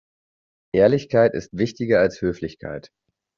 Ehrlichkeit ist wichtiger als Höflichkeit.